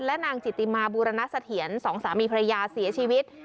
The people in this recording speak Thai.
และนางจิติมาบูรณเสถียรสองสามีภรรยาเสียชีวิต